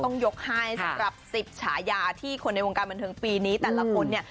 ต้องยกให้สำหรับ๑๐ฉายาที่คนในวงการบันเทิงปีนี้แต่ละคนเนี่ย